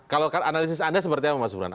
kalau analisis anda seperti apa mas burhan